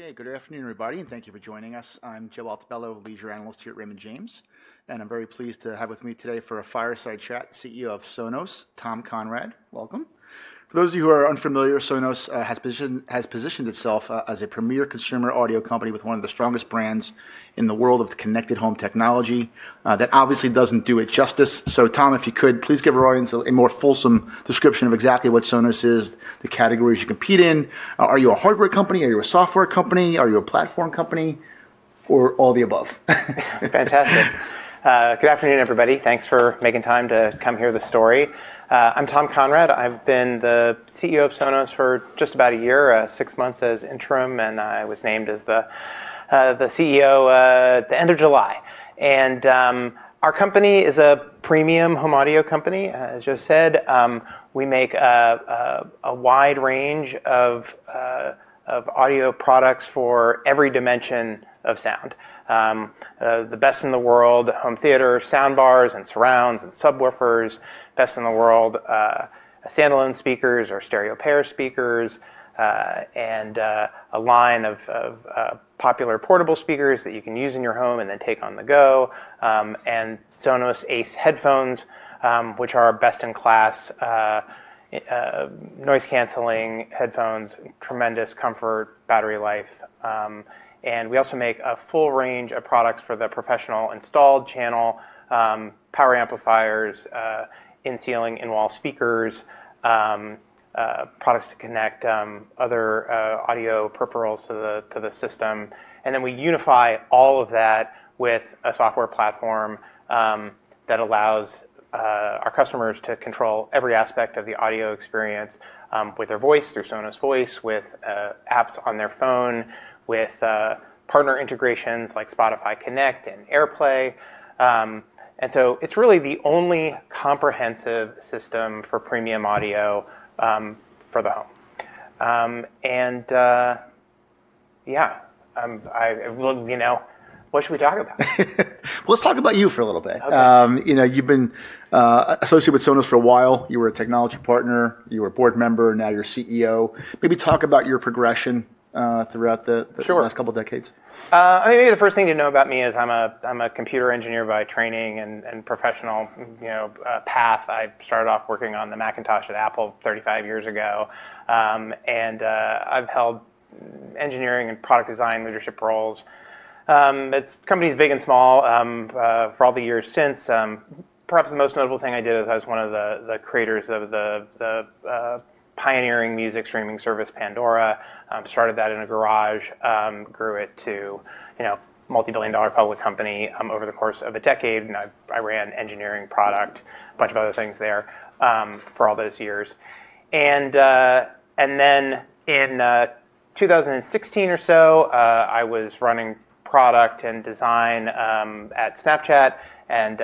Okay, good afternoon, everybody, and thank you for joining us. I'm Joe Altobello, a Leisure Analyst here at Raymond James, and I'm very pleased to have with me today, for a fireside chat, CEO of Sonos, Tom Conrad. Welcome. For those of you who are unfamiliar, Sonos has positioned itself as a premier consumer audio company with one of the strongest brands in the world of connected home technology that obviously doesn't do it justice. So, Tom, if you could please give our audience a more fulsome description of exactly what Sonos is, the categories you compete in. Are you a hardware company? Are you a software company? Are you a platform company? Or all the above? Fantastic. Good afternoon, everybody. Thanks for making time to come hear the story. I'm Tom Conrad. I've been the CEO of Sonos for just about a year, six months as interim, and I was named as the CEO at the end of July, and our company is a premium home audio company. As Joe said, we make a wide range of audio products for every dimension of sound: the best in the world home theater, sound bars, and surrounds, and subwoofers, best in the world standalone speakers or stereo pair speakers, and a line of popular portable speakers that you can use in your home and then take on the go, and Sonos Ace headphones, which are best in class noise-canceling headphones, tremendous comfort, battery life. And we also make a full range of products for the professional installed channel: power amplifiers, in-ceiling, in-wall speakers, products to connect other audio peripherals to the system. And then we unify all of that with a software platform that allows our customers to control every aspect of the audio experience with their voice, through Sonos Voice, with apps on their phone, with partner integrations like Spotify Connect and AirPlay. And so it's really the only comprehensive system for premium audio for the home. And yeah, you know, what should we talk about? Let's talk about you for a little bit. You've been associated with Sonos for a while. You were a technology partner. You were a board member. Now you're CEO. Maybe talk about your progression throughout the last couple of decades. I mean, maybe the first thing to know about me is I'm a computer engineer by training and professional path. I started off working on the Macintosh at Apple 35 years ago, and I've held engineering and product design leadership roles at companies big and small for all the years since. Perhaps the most notable thing I did is I was one of the creators of the pioneering music streaming service, Pandora. Started that in a garage, grew it to a multi-billion dollar public company over the course of a decade, and I ran engineering, product, a bunch of other things there for all those years. Then in 2016 or so, I was running product and design at Snapchat and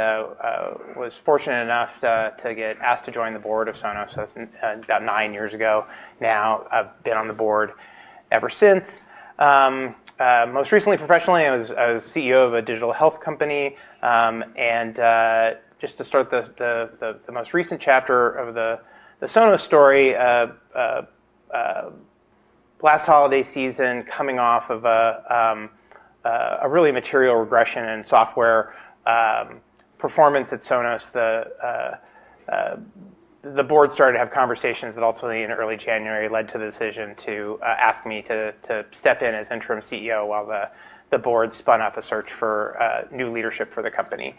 was fortunate enough to get asked to join the board of Sonos about nine years ago. Now I've been on the board ever since. Most recently, professionally, I was CEO of a digital health company. Just to start the most recent chapter of the Sonos story, last holiday season, coming off of a really material regression in software performance at Sonos, the board started to have conversations that ultimately, in early January, led to the decision to ask me to step in as Interim CEO while the board spun up a search for new leadership for the company.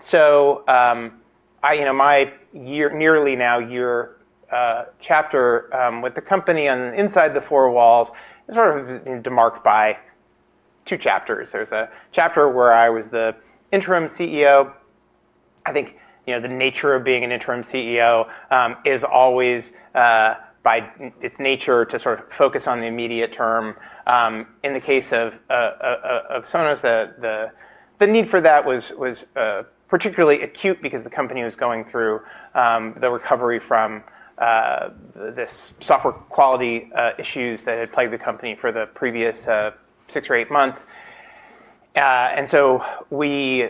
So my nearly a year now chapter with the company inside the four walls is sort of demarcated by two chapters. There's a chapter where I was the Interim CEO. I think the nature of being an Interim CEO is always, by its nature, to sort of focus on the immediate term. In the case of Sonos, the need for that was particularly acute because the company was going through the recovery from these software quality issues that had plagued the company for the previous six or eight months. We,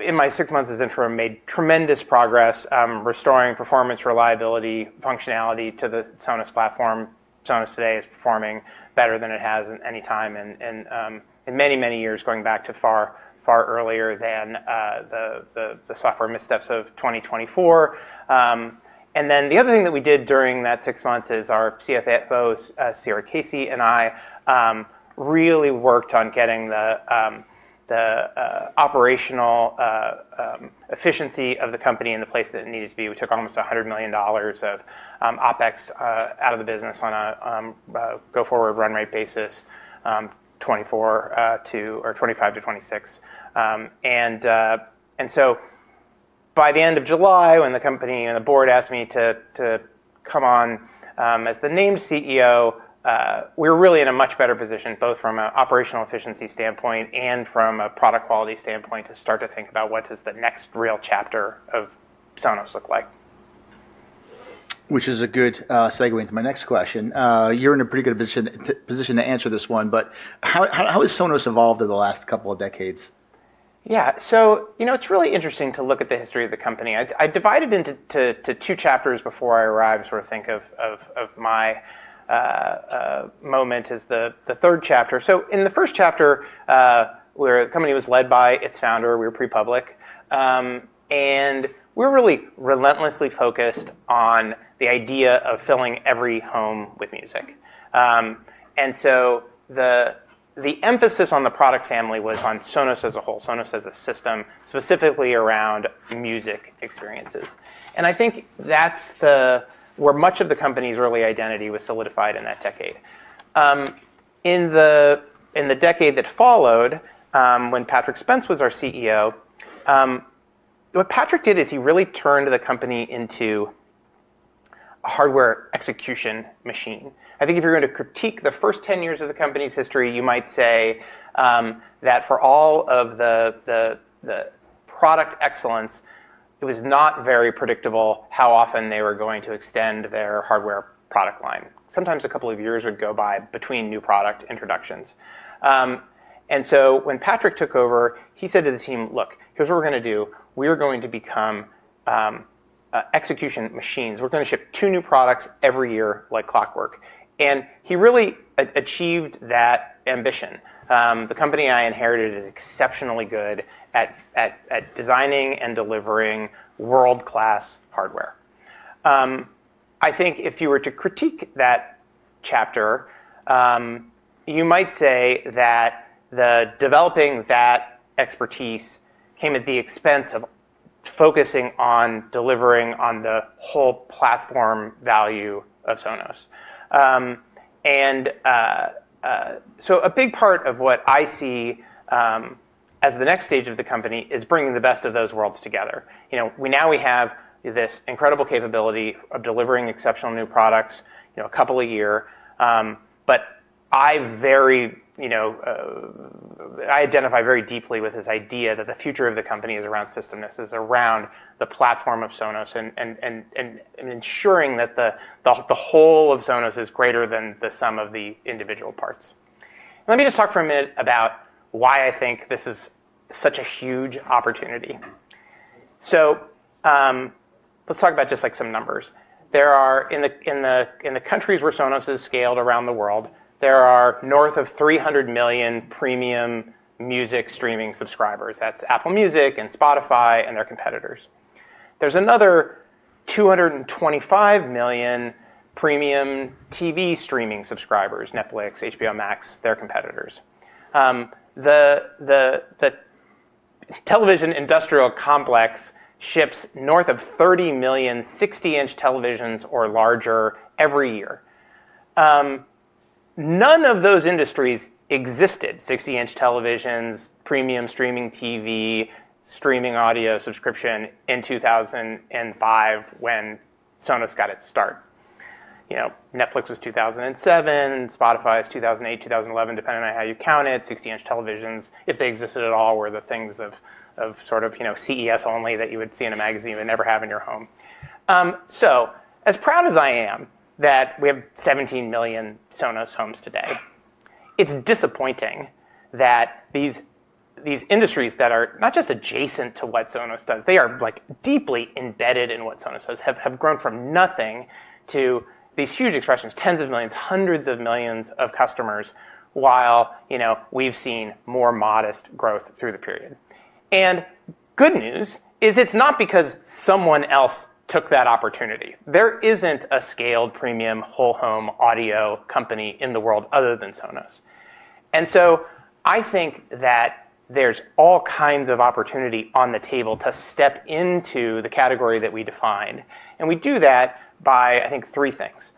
in my six months as interim, made tremendous progress restoring performance, reliability, functionality to the Sonos platform. Sonos today is performing better than it has at any time in many, many years, going back to far, far earlier than the software missteps of 2024. The other thing that we did during that six months is our CFO, Saara Casey, and I really worked on getting the operational efficiency of the company in the place that it needed to be. We took almost $100 million of OPEX out of the business on a go-forward run rate basis, or 25 to 26. By the end of July, when the company and the board asked me to come on as the named CEO, we were really in a much better position, both from an operational efficiency standpoint and from a product quality standpoint, to start to think about what does the next real chapter of Sonos look like. Which is a good segue into my next question. You're in a pretty good position to answer this one, but how has Sonos evolved in the last couple of decades? Yeah, so you know it's really interesting to look at the history of the company. I divided it into two chapters before I arrived, sort of think of my moment as the third chapter, so in the first chapter, where the company was led by its founder, we were pre-public, and we were really relentlessly focused on the idea of filling every home with music, and so the emphasis on the product family was on Sonos as a whole, Sonos as a system, specifically around music experiences, and I think that's where much of the company's early identity was solidified in that decade. In the decade that followed, when Patrick Spence was our CEO, what Patrick did is he really turned the company into a hardware execution machine. I think if you're going to critique the first 10 years of the company's history, you might say that for all of the product excellence, it was not very predictable how often they were going to extend their hardware product line. Sometimes a couple of years would go by between new product introductions, and so when Patrick took over, he said to the team, "Look, here's what we're going to do. We are going to become execution machines. We're going to ship two new products every year like clockwork," and he really achieved that ambition. The company I inherited is exceptionally good at designing and delivering world-class hardware. I think if you were to critique that chapter, you might say that developing that expertise came at the expense of focusing on delivering on the whole platform value of Sonos. And so a big part of what I see as the next stage of the company is bringing the best of those worlds together. Now we have this incredible capability of delivering exceptional new products a couple of years, but I identify very deeply with this idea that the future of the company is around systemness, is around the platform of Sonos, and ensuring that the whole of Sonos is greater than the sum of the individual parts. Let me just talk for a minute about why I think this is such a huge opportunity. So let's talk about just like some numbers. In the countries where Sonos is scaled around the world, there are north of 300 million premium music streaming subscribers. That's Apple Music and Spotify and their competitors. There's another 225 million premium TV streaming subscribers: Netflix, HBO Max, their competitors. The television industrial complex ships north of 30 million 60-inch televisions or larger every year. None of those industries existed: 60-inch televisions, premium streaming TV, streaming audio subscription in 2005 when Sonos got its start. Netflix was 2007, Spotify was 2008, 2011, depending on how you count it. 60-inch televisions, if they existed at all, were the things of sort of CES only that you would see in a magazine and never have in your home. So as proud as I am that we have 17 million Sonos homes today, it's disappointing that these industries that are not just adjacent to what Sonos does, they are deeply embedded in what Sonos does, have grown from nothing to these huge expressions, tens of millions, hundreds of millions of customers, while we've seen more modest growth through the period, and good news is it's not because someone else took that opportunity. There isn't a scaled premium whole home audio company in the world other than Sonos. And so I think that there's all kinds of opportunity on the table to step into the category that we defined. And we do that by, I think, three things.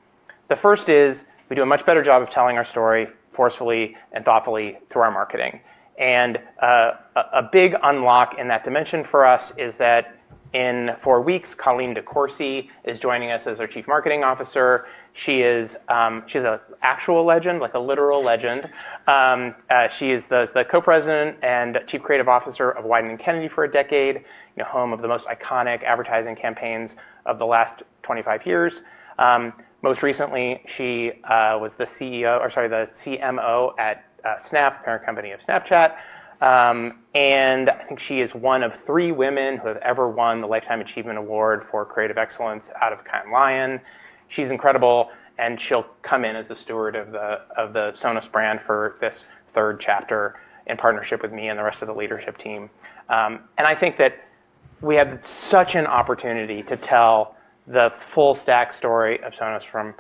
The first is we do a much better job of telling our story forcefully and thoughtfully through our marketing. And a big unlock in that dimension for us is that in four weeks, Colleen DeCourcy is joining us as our Chief Marketing Officer. She is an actual legend, like a literal legend. She is the Co-President and Chief Creative Officer of Wieden+Kennedy for a decade, home of the most iconic advertising campaigns of the last 25 years. Most recently, she was the CMO at Snap, parent company of Snapchat. And I think she is one of three women who have ever won the Lifetime Achievement Award for Creative Excellence out of Cannes Lions. She's incredible, and she'll come in as the steward of the Sonos brand for this third chapter in partnership with me and the rest of the leadership team. And I think that we have such an opportunity to tell the full stack story of Sonos from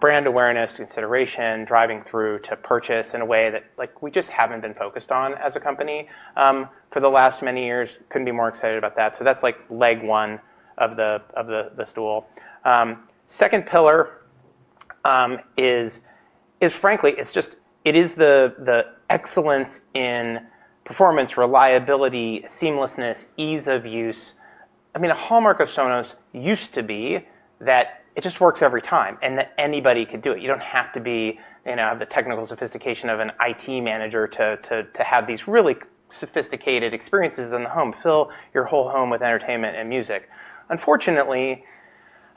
brand awareness, consideration, driving through to purchase in a way that we just haven't been focused on as a company for the last many years. Couldn't be more excited about that. So that's like leg one of the stool. Second pillar is, frankly, it is the excellence in performance, reliability, seamlessness, ease of use. I mean, a hallmark of Sonos used to be that it just works every time and that anybody could do it. You don't have to have the technical sophistication of an IT manager to have these really sophisticated experiences in the home, fill your whole home with entertainment and music. Unfortunately,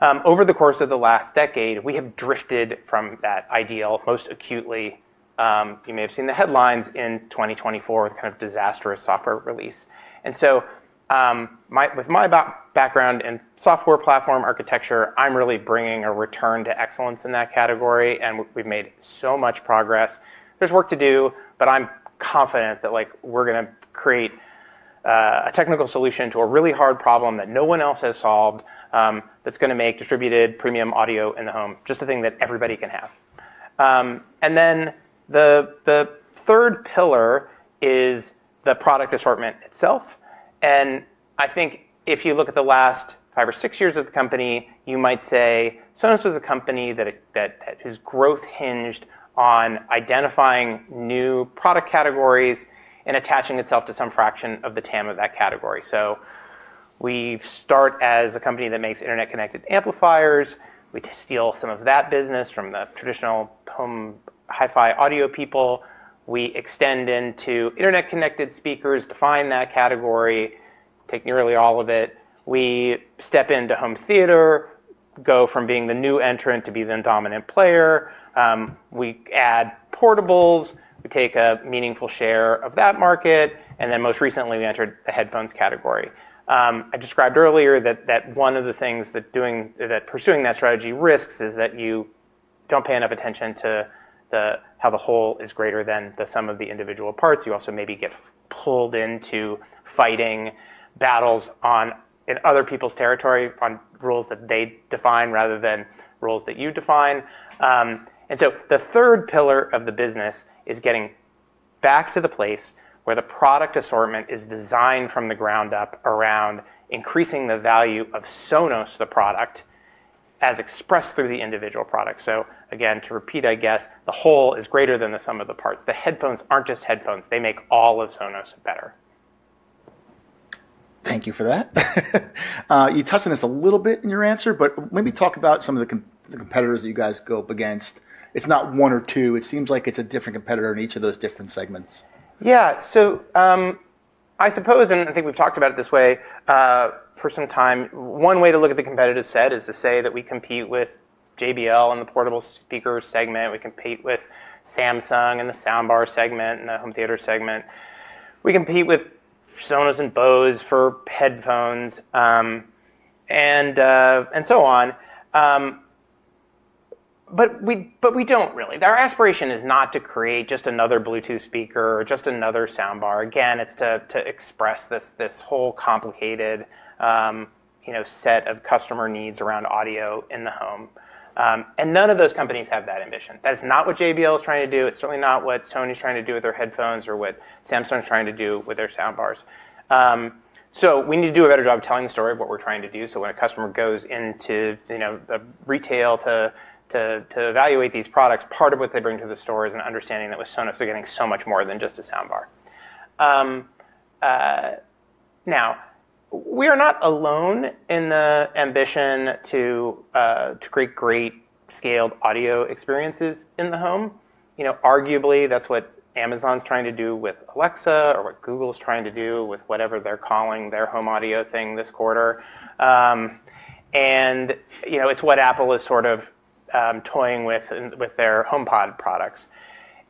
over the course of the last decade, we have drifted from that ideal most acutely. You may have seen the headlines in 2024 with kind of disastrous software release, and so with my background in software platform architecture, I'm really bringing a return to excellence in that category, and we've made so much progress. There's work to do, but I'm confident that we're going to create a technical solution to a really hard problem that no one else has solved that's going to make distributed premium audio in the home just a thing that everybody can have, and then the third pillar is the product assortment itself. And I think if you look at the last five or six years of the company, you might say Sonos was a company whose growth hinged on identifying new product categories and attaching itself to some fraction of the TAM of that category. So we start as a company that makes internet-connected amplifiers. We steal some of that business from the traditional home hi-fi audio people. We extend into internet-connected speakers to find that category, take nearly all of it. We step into home theater, go from being the new entrant to be the dominant player. We add portables. We take a meaningful share of that market. And then most recently, we entered the headphones category. I described earlier that one of the things that pursuing that strategy risks is that you don't pay enough attention to how the whole is greater than the sum of the individual parts. You also maybe get pulled into fighting battles in other people's territory on rules that they define, and so the third pillar of the business is getting back to the place where the product assortment is designed from the ground up around increasing the value of Sonos, the product, as expressed through the individual product, so again, to repeat, I guess, the whole is greater than the sum of the parts. The headphones aren't just headphones. They make all of Sonos better. Thank you for that. You touched on this a little bit in your answer, but maybe talk about some of the competitors that you guys go up against. It's not one or two. It seems like it's a different competitor in each of those different segments. Yeah, so I suppose, and I think we've talked about it this way for some time, one way to look at the competitive set is to say that we compete with JBL and the portable speaker segment. We compete with Samsung and the Soundbar segment and the Home Theater segment. We compete with Sony and Bose for headphones and so on. But we don't really. Our aspiration is not to create just another Bluetooth speaker or just another soundbar. Again, it's to express this whole complicated set of customer needs around audio in the home. And none of those companies have that ambition. That is not what JBL is trying to do. It's certainly not what Sony is trying to do with their headphones or what Samsung is trying to do with their soundbars. So we need to do a better job of telling the story of what we're trying to do. So when a customer goes into retail to evaluate these products, part of what they bring to the store is an understanding that with Sonos, they're getting so much more than just a soundbar. Now, we are not alone in the ambition to create great scaled audio experiences in the home. Arguably, that's what Amazon is trying to do with Alexa or what Google is trying to do with whatever they're calling their home audio thing this quarter. And it's what Apple is sort of toying with with their HomePod products.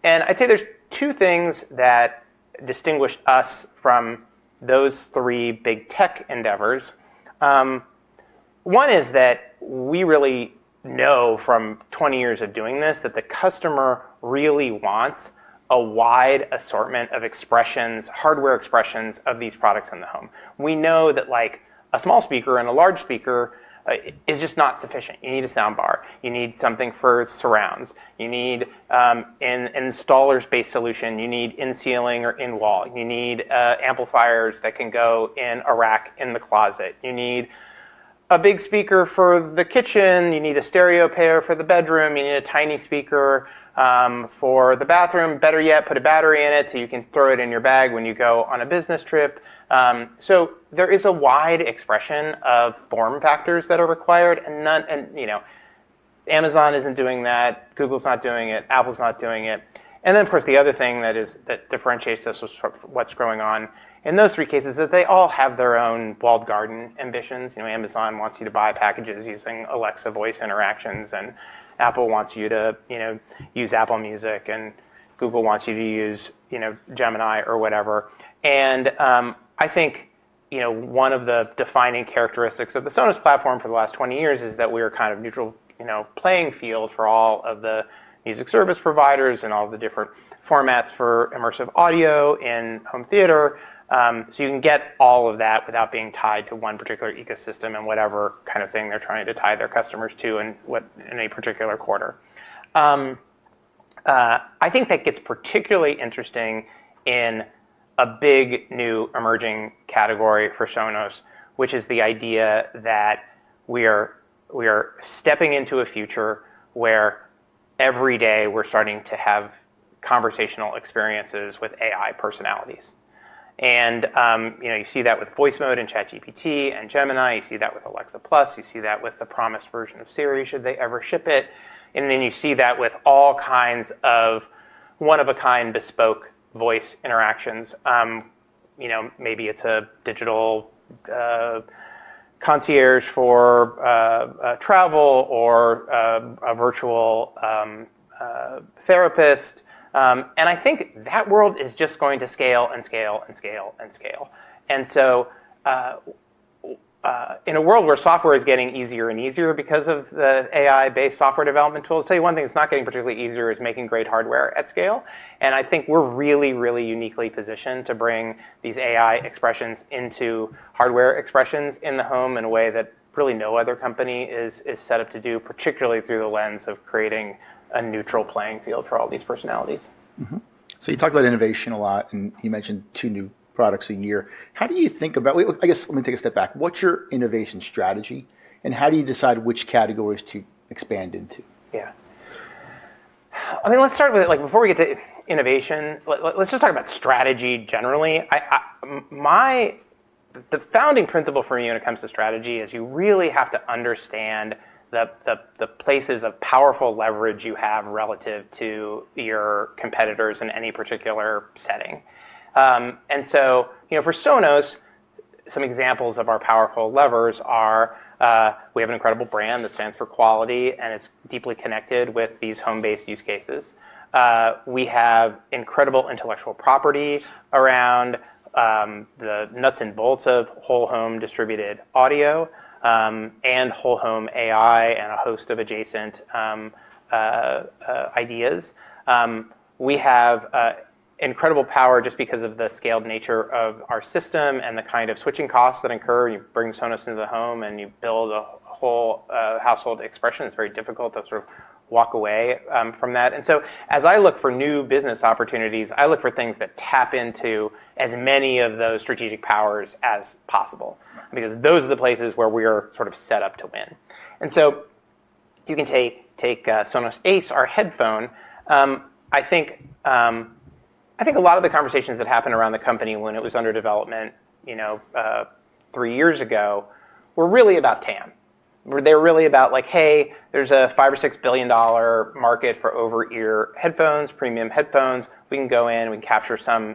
And I'd say there's two things that distinguish us from those three big tech endeavors. One is that we really know from 20 years of doing this that the customer really wants a wide assortment of expressions, hardware expressions of these products in the home. We know that a small speaker and a large speaker is just not sufficient. You need a soundbar. You need something for surrounds. You need an installer-based solution. You need in-ceiling or in-wall. You need amplifiers that can go in a rack in the closet. You need a big speaker for the kitchen. You need a stereo pair for the bedroom. You need a tiny speaker for the bathroom. Better yet, put a battery in it so you can throw it in your bag when you go on a business trip. So there is a wide expression of form factors that are required. Amazon isn't doing that. Google is not doing it. Apple is not doing it. And then, of course, the other thing that differentiates us from what's going on in those three cases is that they all have their own walled garden ambitions. Amazon wants you to buy packages using Alexa voice interactions, and Apple wants you to use Apple Music, and Google wants you to use Gemini or whatever. And I think one of the defining characteristics of the Sonos platform for the last 20 years is that we are kind of a neutral playing field for all of the music service providers and all of the different formats for immersive audio in home theater. So you can get all of that without being tied to one particular ecosystem and whatever kind of thing they're trying to tie their customers to in a particular quarter. I think that gets particularly interesting in a big new emerging category for Sonos, which is the idea that we are stepping into a future where every day we're starting to have conversational experiences with AI personalities. And you see that with Voicemod and ChatGPT and Gemini. You see that with Alexa Plus. You see that with the promised version of Siri should they ever ship it. And then you see that with all kinds of one-of-a-kind bespoke voice interactions. Maybe it's a digital concierge for travel or a virtual therapist. And I think that world is just going to scale and scale and scale and scale. And so in a world where software is getting easier and easier because of the AI-based software development tools, I'll tell you one thing that's not getting particularly easier is making great hardware at scale. I think we're really, really uniquely positioned to bring these AI expressions into hardware expressions in the home in a way that really no other company is set up to do, particularly through the lens of creating a neutral playing field for all these personalities. So you talk about innovation a lot, and you mentioned two new products a year. How do you think about, I guess let me take a step back. What's your innovation strategy, and how do you decide which categories to expand into? Yeah. I mean, let's start with, before we get to innovation, let's just talk about strategy generally. The founding principle for me when it comes to strategy is you really have to understand the places of powerful leverage you have relative to your competitors in any particular setting. And so for Sonos, some examples of our powerful levers are we have an incredible brand that stands for quality, and it's deeply connected with these home-based use cases. We have incredible intellectual property around the nuts and bolts of whole home distributed audio and whole home AI and a host of adjacent ideas. We have incredible power just because of the scaled nature of our system and the kind of switching costs that occur. You bring Sonos into the home, and you build a whole household expression. It's very difficult to sort of walk away from that. And so as I look for new business opportunities, I look for things that tap into as many of those strategic powers as possible because those are the places where we are sort of set up to win. And so you can take Sonos Ace, our headphone. I think a lot of the conversations that happened around the company when it was under development three years ago were really about TAM. They were really about like, hey, there's a $5 billion-$6 billion market for over-ear headphones, premium headphones. We can go in. We can capture some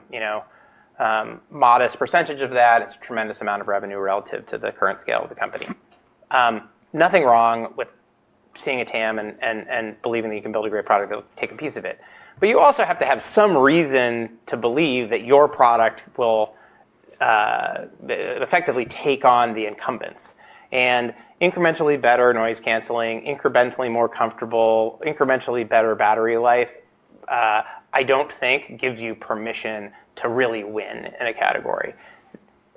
modest percentage of that. It's a tremendous amount of revenue relative to the current scale of the company. Nothing wrong with seeing a TAM and believing that you can build a great product that will take a piece of it. But you also have to have some reason to believe that your product will effectively take on the incumbents. And incrementally better noise canceling, incrementally more comfortable, incrementally better battery life, I don't think gives you permission to really win in a category.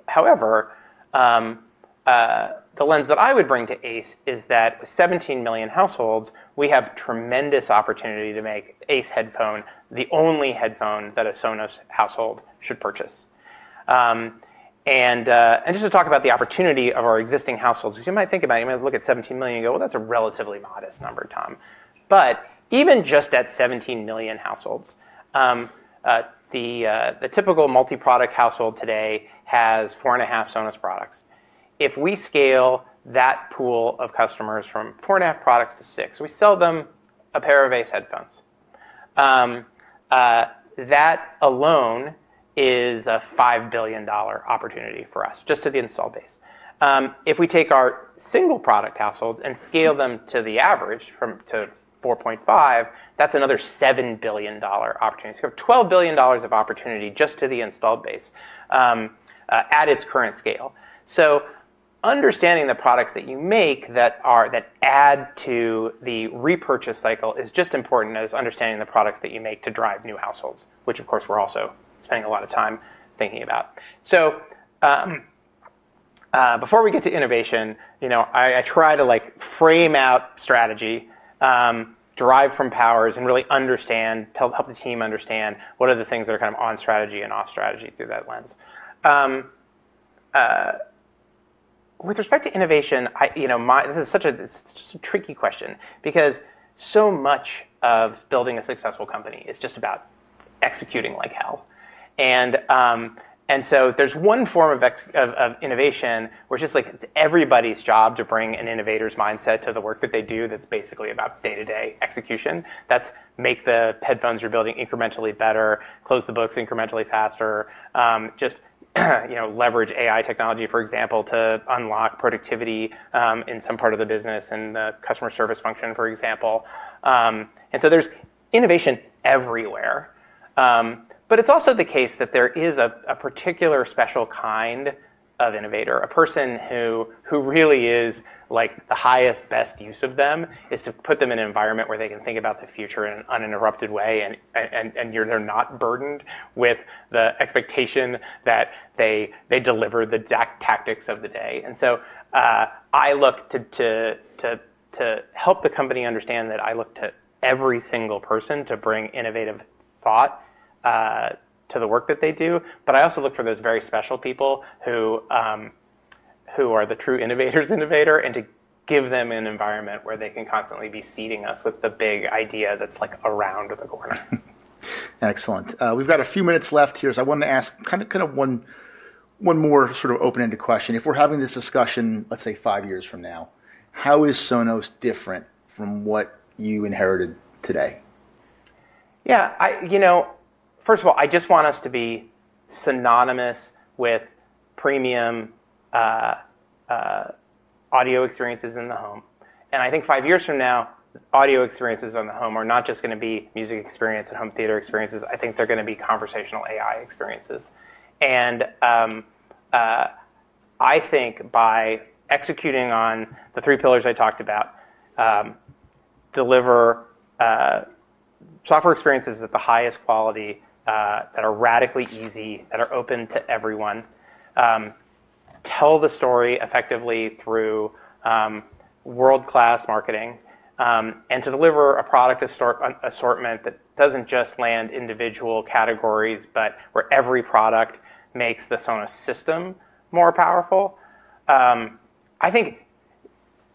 However, the lens that I would bring to Ace is that with 17 million households, we have tremendous opportunity to make Ace headphone the only headphone that a Sonos household should purchase. And just to talk about the opportunity of our existing households, because you might think about it, you might look at 17 million and go, well, that's a relatively modest number, Tom. But even just at 17 million households, the typical multi-product household today has four and a half Sonos products. If we scale that pool of customers from four and a half products to six, we sell them a pair of Ace headphones. That alone is a $5 billion opportunity for us just to the installed base. If we take our single product households and scale them to the average to 4.5, that's another $7 billion opportunity. So you have $12 billion of opportunity just to the installed base at its current scale. So understanding the products that you make that add to the repurchase cycle is just as important as understanding the products that you make to drive new households, which of course we're also spending a lot of time thinking about. So before we get to innovation, I try to frame out strategy, derive from powers, and really understand, help the team understand what are the things that are kind of on strategy and off strategy through that lens. With respect to innovation, this is such a tricky question because so much of building a successful company is just about executing like hell, and so there's one form of innovation where it's just like it's everybody's job to bring an innovator's mindset to the work that they do that's basically about day-to-day execution. That's make the headphones you're building incrementally better, close the books incrementally faster, just leverage AI technology, for example, to unlock productivity in some part of the business and the customer service function, for example, and so there's innovation everywhere. But it's also the case that there is a particular special kind of innovator, a person who really is the highest, best use of them is to put them in an environment where they can think about the future in an uninterrupted way and they're not burdened with the expectation that they deliver the tactics of the day. And so I look to help the company understand that I look to every single person to bring innovative thought to the work that they do. But I also look for those very special people who are the true innovator's innovator and to give them an environment where they can constantly be seeding us with the big idea that's around the corner. Excellent. We've got a few minutes left here, so I wanted to ask kind of one more sort of open-ended question. If we're having this discussion, let's say five years from now, how is Sonos different from what you inherited today? Yeah. First of all, I just want us to be synonymous with premium audio experiences in the home. And I think five years from now, audio experiences on the home are not just going to be music experience and home theater experiences. I think they're going to be conversational AI experiences. And I think by executing on the three pillars I talked about, deliver software experiences at the highest quality that are radically easy, that are open to everyone, tell the story effectively through world-class marketing, and to deliver a product assortment that doesn't just land individual categories, but where every product makes the Sonos system more powerful. I think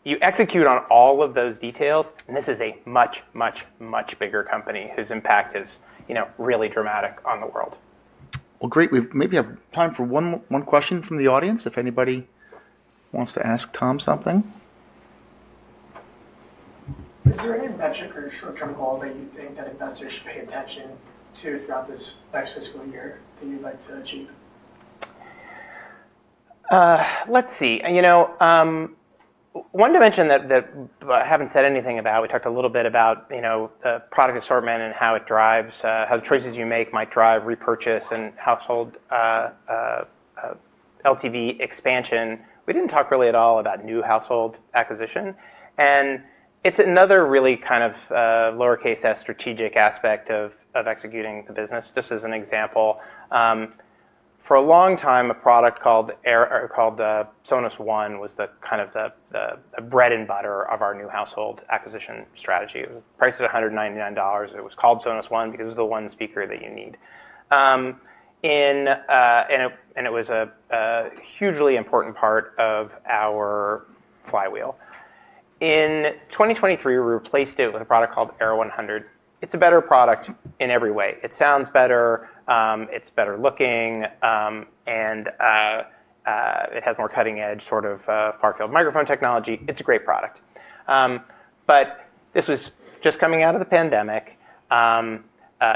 you execute on all of those details, and this is a much, much, much bigger company whose impact is really dramatic on the world. Great. We may have time for one question from the audience if anybody wants to ask Tom something? Is there any metric or short-term goal that you think that investors should pay attention to throughout this next fiscal year that you'd like to achieve? Let's see. One dimension that I haven't said anything about, we talked a little bit about the product assortment and how it drives how choices you make might drive repurchase and household LTV expansion. We didn't talk really at all about new household acquisition. And it's another really kind of lowercase s strategic aspect of executing the business. Just as an example, for a long time, a product called Sonos One was kind of the bread and butter of our new household acquisition strategy. It was priced at $199. It was called Sonos One because it was the one speaker that you need. And it was a hugely important part of our flywheel. In 2023, we replaced it with a product called Era 100. It's a better product in every way. It sounds better. It's better looking. And it has more cutting-edge sort of far-field microphone technology. It's a great product, but this was just coming out of the pandemic.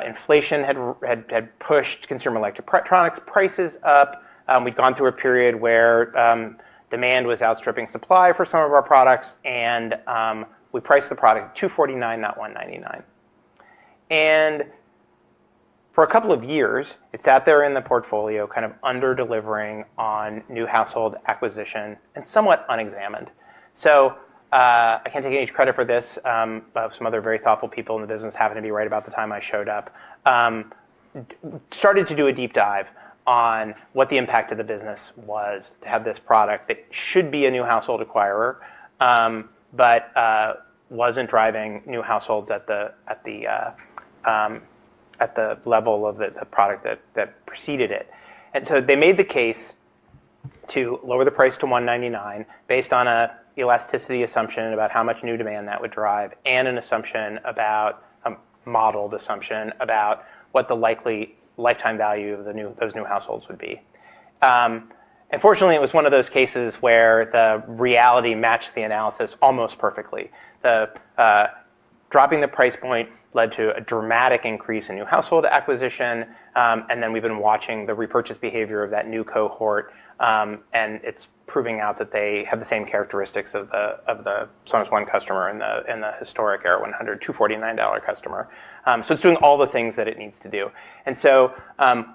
Inflation had pushed consumer electronics prices up. We'd gone through a period where demand was outstripping supply for some of our products, and we priced the product at $249, not $199, and for a couple of years, it's out there in the portfolio kind of under-delivering on new household acquisition and somewhat unexamined, so I can't take any credit for this, but some other very thoughtful people in the business happened to be right about the time I showed up, started to do a deep dive on what the impact of the business was to have this product that should be a new household acquirer, but wasn't driving new households at the level of the product that preceded it. And so they made the case to lower the price to $199 based on an elasticity assumption about how much new demand that would drive and an assumption about a modeled assumption about what the likely lifetime value of those new households would be. And fortunately, it was one of those cases where the reality matched the analysis almost perfectly. Dropping the price point led to a dramatic increase in new household acquisition. And then we've been watching the repurchase behavior of that new cohort. And it's proving out that they have the same characteristics of the Sonos One customer and the historic Era 100 $249 customer. So it's doing all the things that it needs to do. And so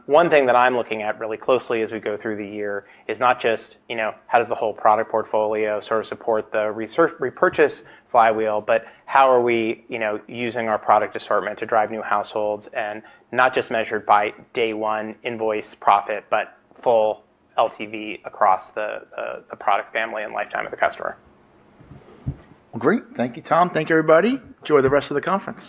one thing that I'm looking at really closely as we go through the year is not just how does the whole product portfolio sort of support the repurchase flywheel, but how are we using our product assortment to drive new households and not just measured by day one invoice profit, but full LTV across the product family and lifetime of the customer. Well, great. Thank you, Tom. Thank you, everybody. Enjoy the rest of the conference.